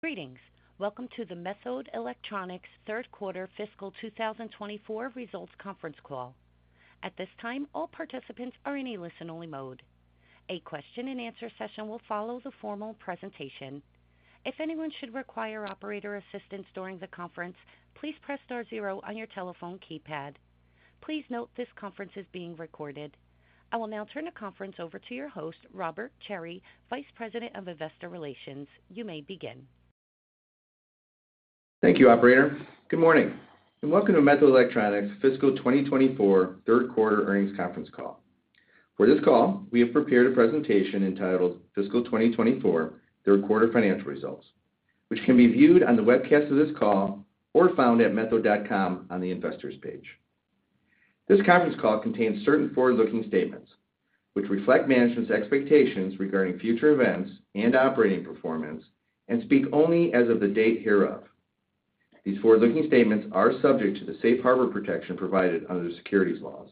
Greetings. Welcome to the Methode Electronics third quarter fiscal 2024 results conference call. At this time, all participants are in a listen-only mode. A question-and-answer session will follow the formal presentation. If anyone should require operator assistance during the conference, please press star zero on your telephone keypad. Please note this conference is being recorded. I will now turn the conference over to your host, Robert Cherry, Vice President of Investor Relations. You may begin. Thank you, operator. Good morning, and welcome to Methode Electronics' fiscal 2024 third quarter earnings conference call. For this call, we have prepared a presentation entitled Fiscal 2024 Third Quarter Financial Results, which can be viewed on the webcast of this call or found at methode.com on the Investors page. This conference call contains certain forward-looking statements, which reflect management's expectations regarding future events and operating performance and speak only as of the date hereof. These forward-looking statements are subject to the safe harbor protection provided under the securities laws.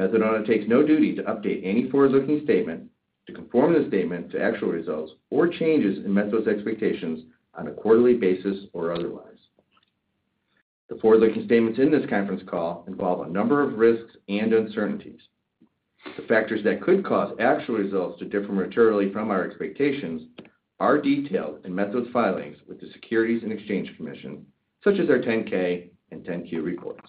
Methode undertakes no duty to update any forward-looking statement to conform the statement to actual results or changes in Methode's expectations on a quarterly basis or otherwise. The forward-looking statements in this conference call involve a number of risks and uncertainties. The factors that could cause actual results to differ materially from our expectations are detailed in Methode's filings with the Securities and Exchange Commission, such as our 10-K and 10-Q reports.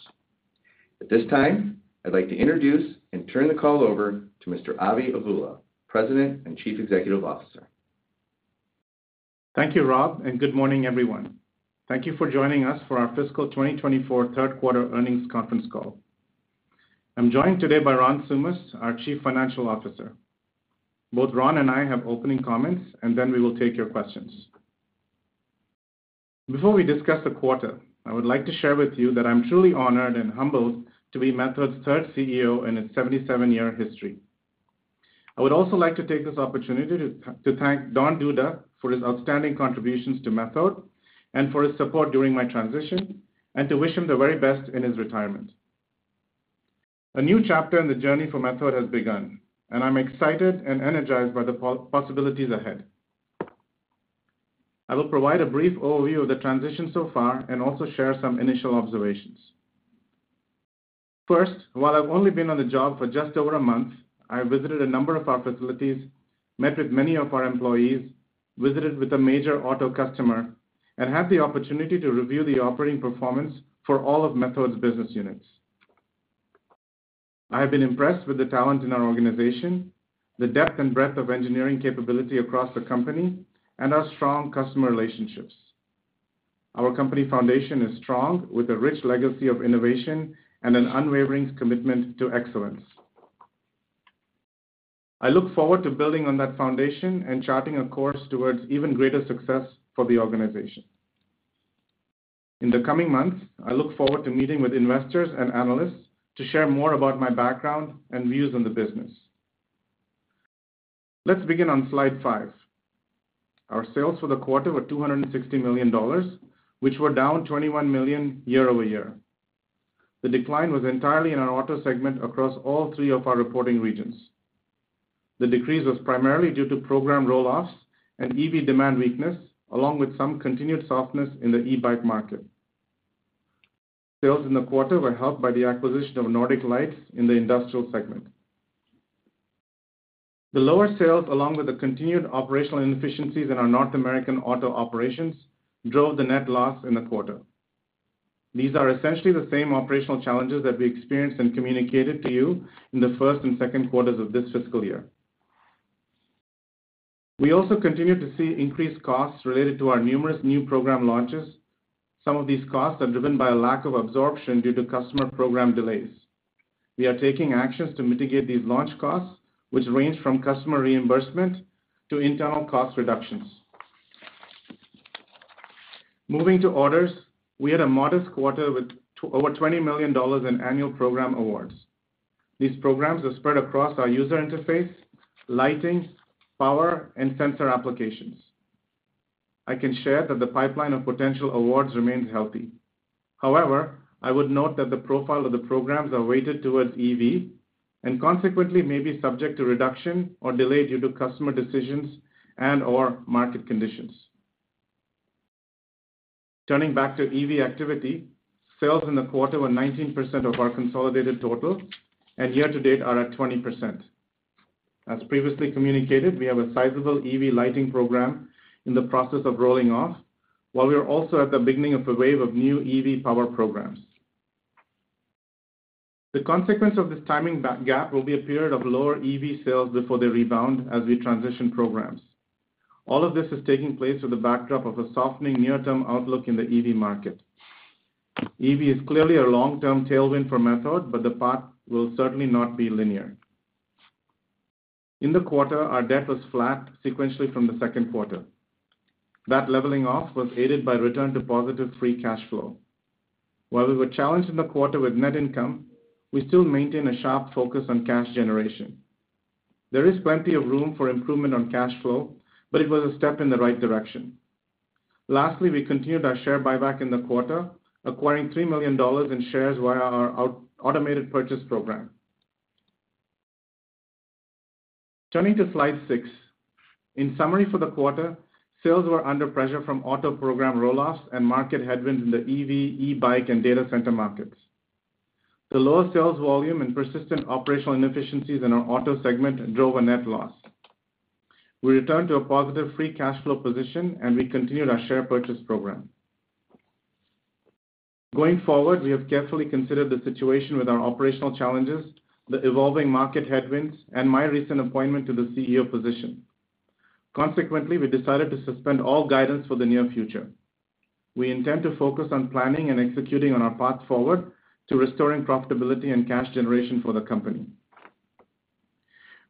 At this time, I'd like to introduce and turn the call over to Mr. Avi Avula, President and Chief Executive Officer. Thank you, Rob, and good morning, everyone. Thank you for joining us for our fiscal 2024 third quarter earnings conference call. I'm joined today by Ron Tsoumas, our Chief Financial Officer. Both Ron and I have opening comments, and then we will take your questions. Before we discuss the quarter, I would like to share with you that I'm truly honored and humbled to be Methode's third CEO in its 77 year history. I would also like to take this opportunity to thank Don Duda for his outstanding contributions to Methode and for his support during my transition, and to wish him the very best in his retirement. A new chapter in the journey for Methode has begun, and I'm excited and energized by the possibilities ahead. I will provide a brief overview of the transition so far and also share some initial observations. First, while I've only been on the job for just over a month, I visited a number of our facilities, met with many of our employees, visited with a major auto customer, and had the opportunity to review the operating performance for all of Methode's business units. I have been impressed with the talent in our organization, the depth and breadth of engineering capability across the company, and our strong customer relationships. Our company foundation is strong, with a rich legacy of innovation and an unwavering commitment to excellence. I look forward to building on that foundation and charting a course towards even greater success for the organization. In the coming months, I look forward to meeting with investors and analysts to share more about my background and views on the business. Let's begin on slide five. Our sales for the quarter were $260 million, which were down $21 million year-over-year. The decline was entirely in our auto segment across all three of our reporting regions. The decrease was primarily due to program roll-offs and EV demand weakness, along with some continued softness in the e-bike market. Sales in the quarter were helped by the acquisition of Nordic Lights in the industrial segment. The lower sales, along with the continued operational inefficiencies in our North American auto operations, drove the net loss in the quarter. These are essentially the same operational challenges that we experienced and communicated to you in the first and second quarters of this fiscal year. We also continued to see increased costs related to our numerous new program launches. Some of these costs are driven by a lack of absorption due to customer program delays. We are taking actions to mitigate these launch costs, which range from customer reimbursement to internal cost reductions. Moving to orders, we had a modest quarter with over $20 million in annual program awards. These programs are spread across our user interface, lighting, power, and sensor applications. I can share that the pipeline of potential awards remains healthy. However, I would note that the profile of the programs are weighted towards EV, and consequently may be subject to reduction or delay due to customer decisions and/or market conditions. Turning back to EV activity, sales in the quarter were 19% of our consolidated total, and year to date are at 20%. As previously communicated, we have a sizable EV lighting program in the process of rolling off, while we are also at the beginning of a wave of new EV power programs. The consequence of this timing gap will be a period of lower EV sales before they rebound as we transition programs. All of this is taking place with the backdrop of a softening near-term outlook in the EV market. EV is clearly a long-term tailwind for Methode, but the path will certainly not be linear. In the quarter, our debt was flat sequentially from the second quarter. That leveling off was aided by return to positive free cash flow. While we were challenged in the quarter with net income, we still maintain a sharp focus on cash generation. There is plenty of room for improvement on cash flow, but it was a step in the right direction. Lastly, we continued our share buyback in the quarter, acquiring $3 million in shares via our automated purchase program. Turning to Slide six. In summary, for the quarter, sales were under pressure from auto program roll-offs and market headwinds in the EV, e-bike, and data center markets. The lower sales volume and persistent operational inefficiencies in our auto segment drove a net loss. We returned to a positive free cash flow position, and we continued our share purchase program. Going forward, we have carefully considered the situation with our operational challenges, the evolving market headwinds, and my recent appointment to the CEO position. Consequently, we decided to suspend all guidance for the near future. We intend to focus on planning and executing on our path forward to restoring profitability and cash generation for the company.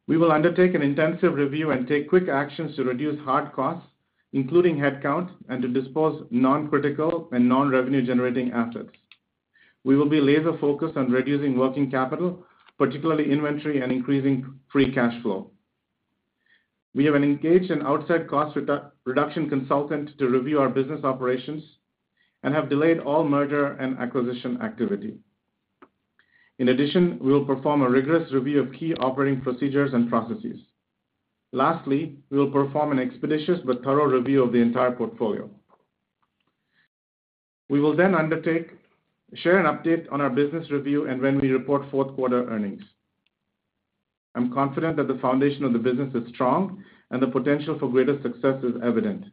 We will undertake an intensive review and take quick actions to reduce hard costs, including headcount, and to dispose non-critical and non-revenue-generating assets. We will be laser-focused on reducing working capital, particularly inventory and increasing free cash flow. We have engaged an outside cost reduction consultant to review our business operations and have delayed all merger and acquisition activity. In addition, we will perform a rigorous review of key operating procedures and processes. Lastly, we will perform an expeditious but thorough review of the entire portfolio. We will then share an update on our business review and when we report fourth quarter earnings. I'm confident that the foundation of the business is strong and the potential for greater success is evident.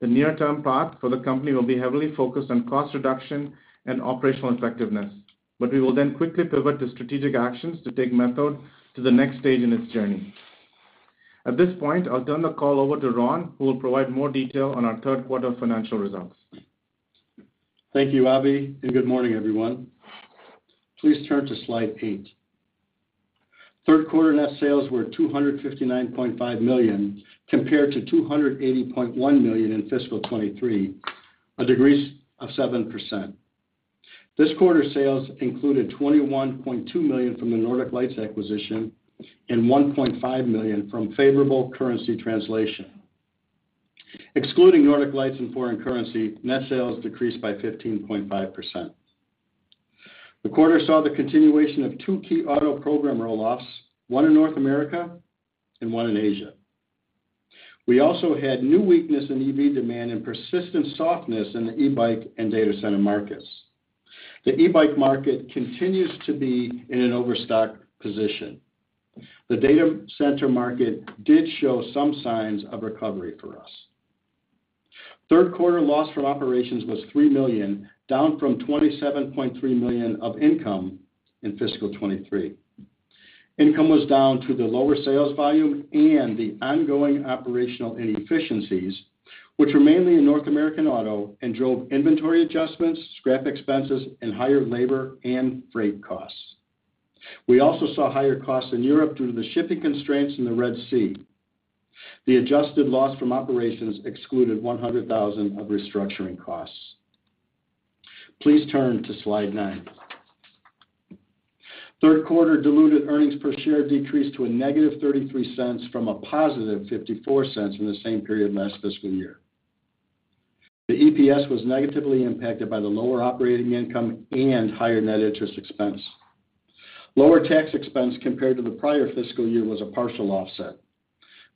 The near-term path for the company will be heavily focused on cost reduction and operational effectiveness, but we will then quickly pivot to strategic actions to take Methode to the next stage in its journey. At this point, I'll turn the call over to Ron, who will provide more detail on our third quarter financial results. Thank you, Avi, and good morning, everyone. Please turn to Slide eight. Third quarter net sales were $259.5 million, compared to $280.1 million in fiscal 2023, a decrease of 7%. This quarter's sales included $21.2 million from the Nordic Lights acquisition and $1.5 million from favorable currency translation. Excluding Nordic Lights and foreign currency, net sales decreased by 15.5%. The quarter saw the continuation of two key auto program roll-offs, one in North America and one in Asia. We also had new weakness in EV demand and persistent softness in the e-bike and data center markets. The e-bike market continues to be in an overstock position. The data center market did show some signs of recovery for us. Third quarter loss from operations was $3 million, down from $27.3 million of income in fiscal 2023. Income was down to the lower sales volume and the ongoing operational inefficiencies, which were mainly in North American auto and drove inventory adjustments, scrap expenses, and higher labor and freight costs. We also saw higher costs in Europe due to the shipping constraints in the Red Sea. The adjusted loss from operations excluded $100,000 of restructuring costs. Please turn to Slide nine. Third quarter diluted earnings per share decreased to -$0.33 from $0.54 from the same period last fiscal year. The EPS was negatively impacted by the lower operating income and higher net interest expense. Lower tax expense compared to the prior fiscal year was a partial offset.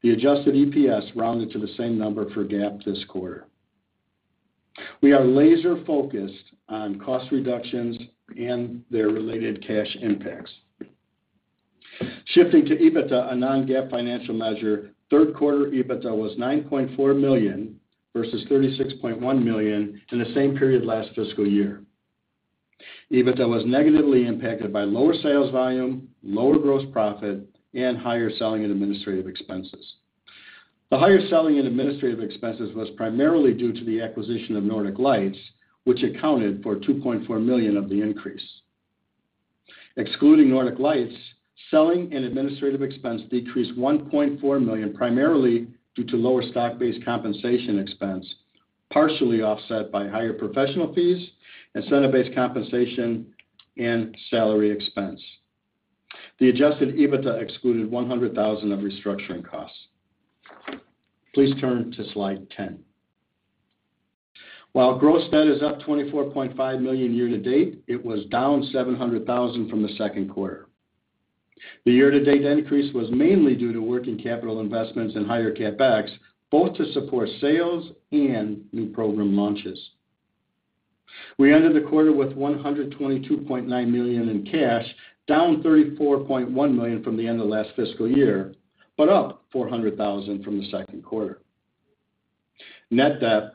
The adjusted EPS rounded to the same number for GAAP this quarter. We are laser-focused on cost reductions and their related cash impacts. Shifting to EBITDA, a non-GAAP financial measure, third quarter EBITDA was $9.4 million, versus $36.1 million in the same period last fiscal year. EBITDA was negatively impacted by lower sales volume, lower gross profit, and higher selling and administrative expenses. The higher selling and administrative expenses was primarily due to the acquisition of Nordic Lights, which accounted for $2.4 million of the increase. Excluding Nordic Lights, selling and administrative expense decreased $1.4 million, primarily due to lower stock-based compensation expense, partially offset by higher professional fees, incentive-based compensation, and salary expense. The Adjusted EBITDA excluded $100,000 of restructuring costs. Please turn to Slide 10. While gross debt is up $24.5 million year to date, it was down $700,000 from the second quarter. The year-to-date increase was mainly due to working capital investments and higher CapEx, both to support sales and new program launches. We ended the quarter with $122.9 million in cash, down $34.1 million from the end of last fiscal year, but up $400,000 from the second quarter. Net debt,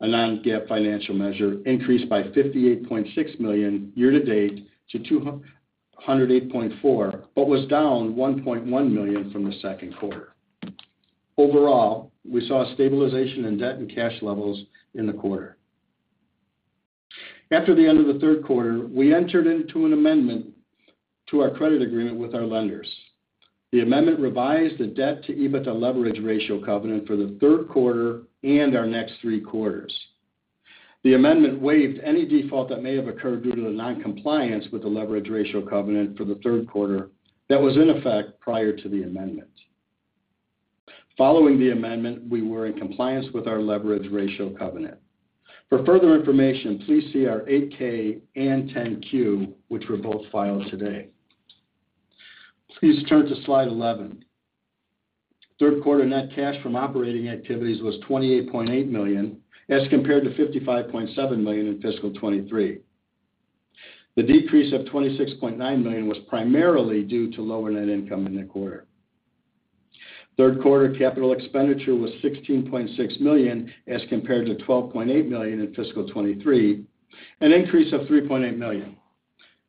a non-GAAP financial measure, increased by $58.6 million year to date to $208.4 million, but was down $1.1 million from the second quarter. Overall, we saw a stabilization in debt and cash levels in the quarter. After the end of the third quarter, we entered into an amendment to our credit agreement with our lenders. The amendment revised the debt-to-EBITDA leverage ratio covenant for the third quarter and our next three quarters. The amendment waived any default that may have occurred due to the non-compliance with the leverage ratio covenant for the third quarter that was in effect prior to the amendment. Following the amendment, we were in compliance with our leverage ratio covenant. For further information, please see our 8-K and 10-Q, which were both filed today. Please turn to slide 11. Third quarter net cash from operating activities was $28.8 million, as compared to $55.7 million in fiscal 2023. The decrease of $26.9 million was primarily due to lower net income in the quarter. Third quarter capital expenditure was $16.6 million, as compared to $12.8 million in fiscal 2023, an increase of $3.8 million.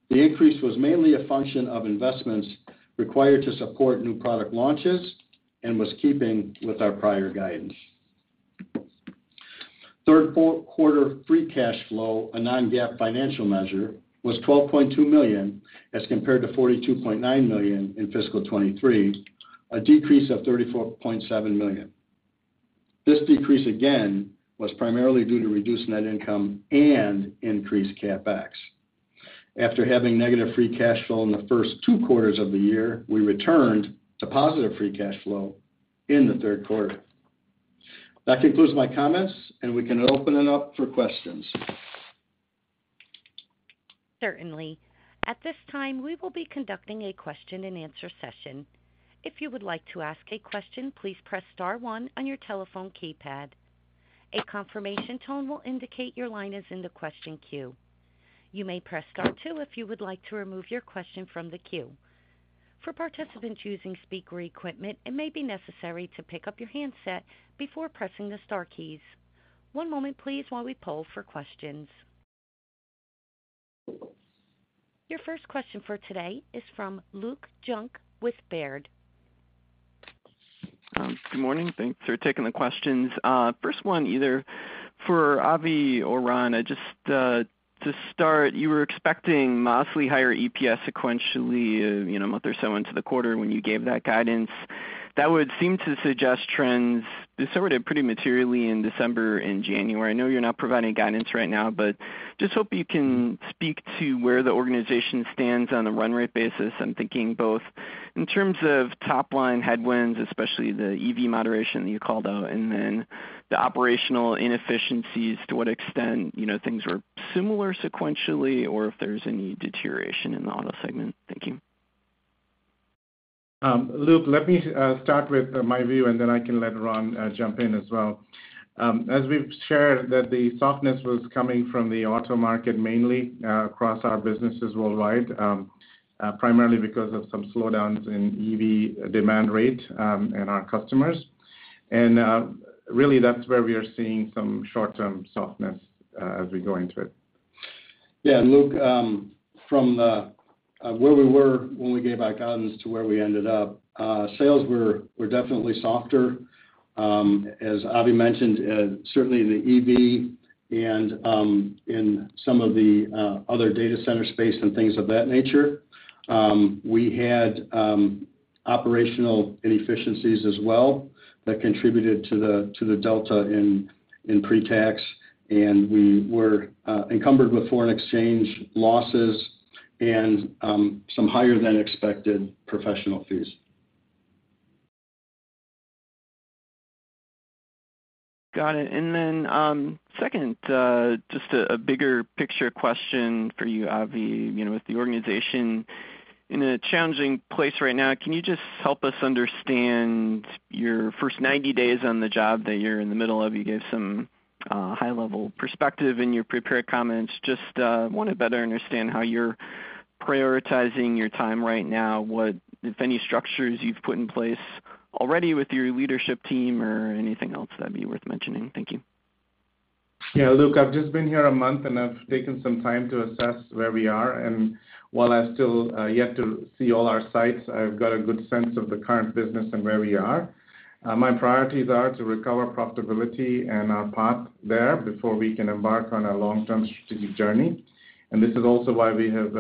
The increase was mainly a function of investments required to support new product launches and was keeping with our prior guidance. Third quarter free cash flow, a non-GAAP financial measure, was $12.2 million, as compared to $42.9 million in fiscal 2023, a decrease of $34.7 million. This decrease, again, was primarily due to reduced net income and increased CapEx. After having negative free cash flow in the first two quarters of the year, we returned to positive free cash flow in the third quarter. That concludes my comments, and we can open it up for questions. Certainly. At this time, we will be conducting a question and answer session. If you would like to ask a question, please press star one on your telephone keypad. A confirmation tone will indicate your line is in the question queue. You may press star two if you would like to remove your question from the queue. For participants using speaker equipment, it may be necessary to pick up your handset before pressing the star keys. One moment please, while we poll for questions. Your first question for today is from Luke Junk with Baird. Good morning. Thanks for taking the questions. First one, either for Avi or Ron. Just to start, you were expecting mostly higher EPS sequentially, you know, a month or so into the quarter when you gave that guidance. That would seem to suggest trends deteriorated pretty materially in December and January. I know you're not providing guidance right now, but just hope you can speak to where the organization stands on a run rate basis. I'm thinking both in terms of top line headwinds, especially the EV moderation that you called out, and then the operational inefficiencies, to what extent, you know, things were similar sequentially, or if there's any deterioration in the auto segment. Thank you. Luke, let me start with my view, and then I can let Ron jump in as well. As we've shared, that the softness was coming from the auto market, mainly, across our businesses worldwide, primarily because of some slowdowns in EV demand rate in our customers. And really, that's where we are seeing some short-term softness, as we go into it. Yeah, Luke, from where we were when we gave our guidance to where we ended up, sales were definitely softer. As Avi mentioned, certainly in the EV and in some of the other data center space and things of that nature. We had operational inefficiencies as well, that contributed to the delta in pre-tax, and we were encumbered with foreign exchange losses and some higher than expected professional fees. Got it. Then, second, just a bigger picture question for you, Avi. You know, with the organization in a challenging place right now, can you just help us understand your first 90 days on the job that you're in the middle of? You gave some high-level perspective in your prepared comments. Just want to better understand how you're prioritizing your time right now, what, if any, structures you've put in place already with your leadership team or anything else that'd be worth mentioning. Thank you. Yeah, Luke, I've just been here a month, and I've taken some time to assess where we are, and while I've still yet to see all our sites, I've got a good sense of the current business and where we are. My priorities are to recover profitability and our path there before we can embark on our long-term strategic journey. And this is also why we have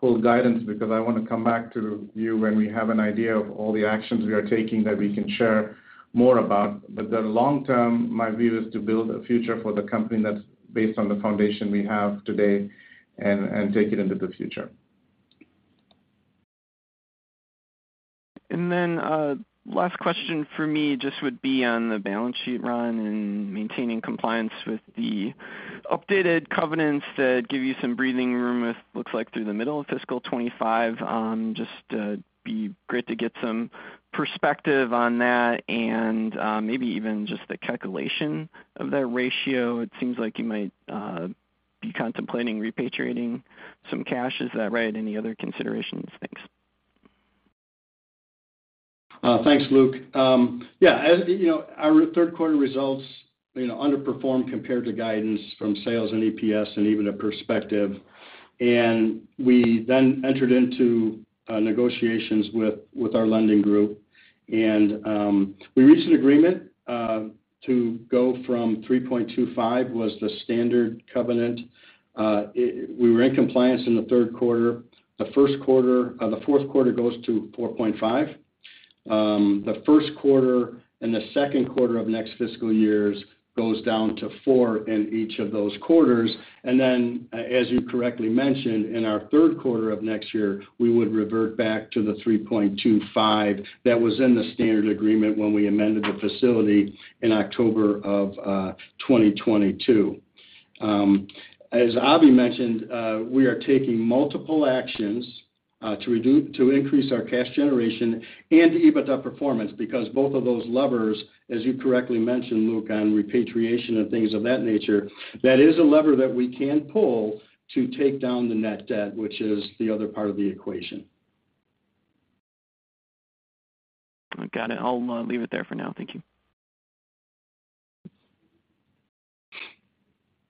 pulled guidance, because I want to come back to you when we have an idea of all the actions we are taking, that we can share more about. But the long term, my view is to build a future for the company that's based on the foundation we have today and, and take it into the future. And then, last question for me just would be on the balance sheet, Ron, and maintaining compliance with the updated covenants that give you some breathing room, which looks like through the middle of fiscal 2025. Just, be great to get some perspective on that and, maybe even just the calculation of that ratio. It seems like you might, be contemplating repatriating some cash. Is that right? Any other considerations? Thanks. Thanks, Luke. Yeah, as you know, our third quarter results, you know, underperformed compared to guidance from sales and EPS and even a perspective. And we then entered into negotiations with our lending group, and we reached an agreement to go from 3.25 was the standard covenant. We were in compliance in the third quarter. The first quarter, the fourth quarter goes to 4.5. The first quarter and the second quarter of next fiscal years goes down to four in each of those quarters. And then, as you correctly mentioned, in our third quarter of next year, we would revert back to the 3.25 that was in the standard agreement when we amended the facility in October of 2022. As Avi mentioned, we are taking multiple actions to increase our cash generation and EBITDA performance, because both of those levers, as you correctly mentioned, Luke, on repatriation and things of that nature, that is a lever that we can pull to take down the net debt, which is the other part of the equation. I got it. I'll leave it there for now. Thank you.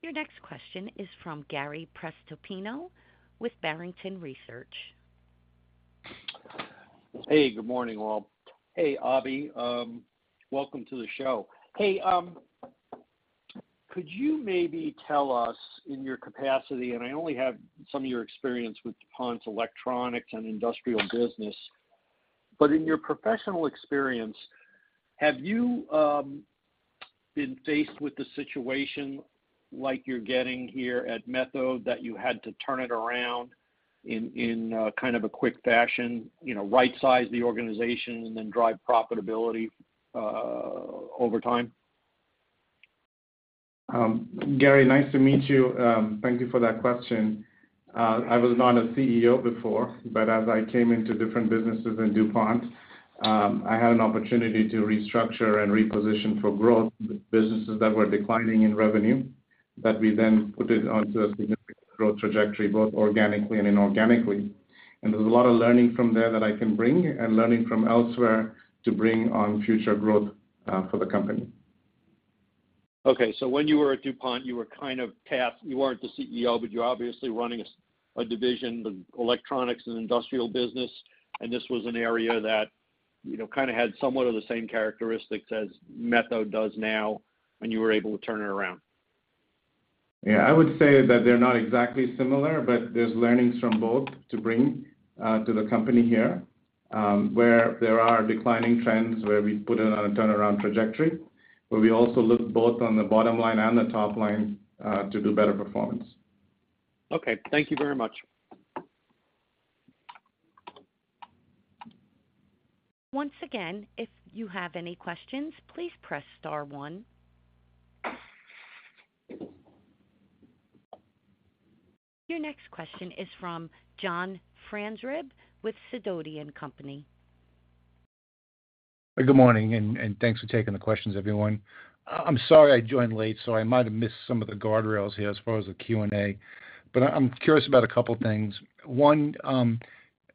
Your next question is from Gary Prestopino with Barrington Research. Hey, good morning, all. Hey, Avi, welcome to the show. Hey, could you maybe tell us in your capacity, and I only have some of your experience with DuPont's electronics and industrial business, but in your professional experience, have you been faced with a situation like you're getting here at Methode, that you had to turn it around in kind of a quick fashion, you know, rightsize the organization and then drive profitability over time? Gary, nice to meet you. Thank you for that question. I was not a CEO before, but as I came into different businesses in DuPont, I had an opportunity to restructure and reposition for growth, businesses that were declining in revenue, that we then put it onto a significant growth trajectory, both organically and inorganically. And there's a lot of learning from there that I can bring and learning from elsewhere to bring on future growth, for the company. Okay, so when you were at DuPont, you were kind of cast... You weren't the CEO, but you're obviously running a division, the electronics and industrial business, and this was an area that, you know, kind of had somewhat of the same characteristics as Methode does now, and you were able to turn it around. Yeah, I would say that they're not exactly similar, but there's learnings from both to bring to the company here, where there are declining trends, where we put it on a turnaround trajectory, but we also look both on the bottom line and the top line to do better performance. Okay, thank you very much. Once again, if you have any questions, please press star one. Your next question is from John Franzreb with Sidoti & Company. Good morning, and thanks for taking the questions, everyone. I'm sorry I joined late, so I might have missed some of the guardrails here as far as the Q&A, but I'm curious about a couple things. One,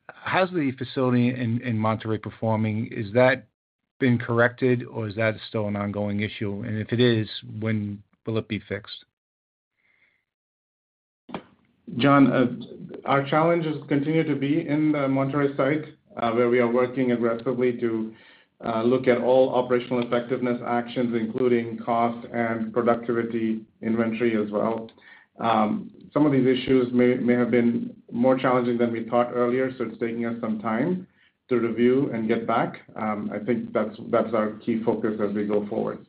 how's the facility in Monterrey performing? Is that been corrected, or is that still an ongoing issue? And if it is, when will it be fixed? John, our challenges continue to be in the Monterrey site, where we are working aggressively to look at all operational effectiveness actions, including cost and productivity, inventory as well. Some of these issues may have been more challenging than we thought earlier, so it's taking us some time to review and get back. I think that's our key focus as we go forward.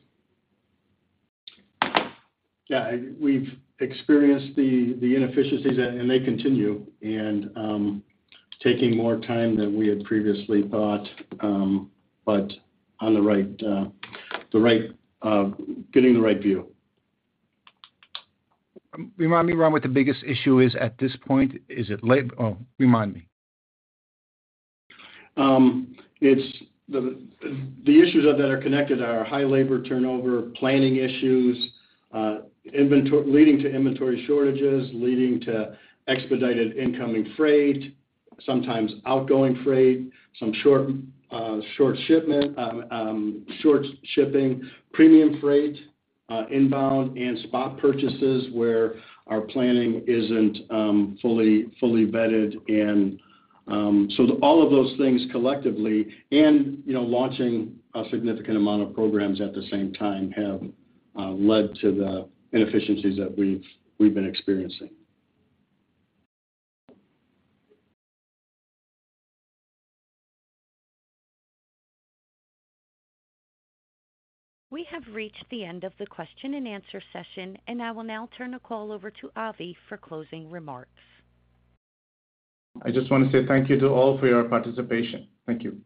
Yeah, we've experienced the inefficiencies, and they continue. Taking more time than we had previously thought, but on the right, getting the right view. Remind me, Ron, what the biggest issue is at this point. Oh, remind me. It's the issues that are connected are high labor turnover, planning issues, inventory leading to inventory shortages, leading to expedited incoming freight, sometimes outgoing freight, some short, short shipment, short shipping, premium freight, inbound and spot purchases, where our planning isn't fully vetted and, so all of those things collectively and, you know, launching a significant amount of programs at the same time, have led to the inefficiencies that we've been experiencing. We have reached the end of the question and answer session, and I will now turn the call over to Avi for closing remarks. I just want to say thank you to all for your participation. Thank you.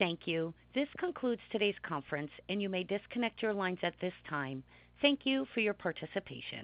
Thank you. This concludes today's conference, and you may disconnect your lines at this time. Thank you for your participation.